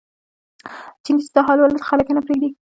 چیني چې دا حال ولیده خلک یې نه پرېږدي.